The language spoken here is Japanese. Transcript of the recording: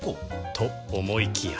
と思いきや